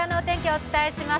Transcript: お伝えします。